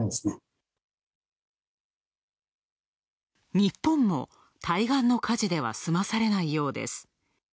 日本も対岸の火事では済まされないようです。